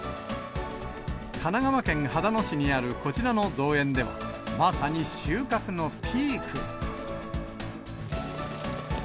神奈川県秦野市にあるこちらの造園では、まさに収穫のピーク。